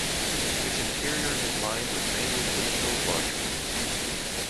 Its interior is lined with mainly regional larch wood.